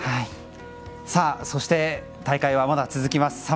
そして、大会はまだ続きます。